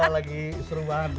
lagi seru banget